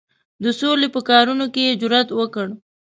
د سولي په کارونو کې یې جرأت وکړ.